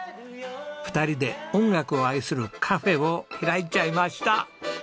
２人で音楽を愛するカフェを開いちゃいました。